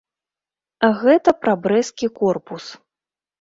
Гэта пра брэсцкі корпус.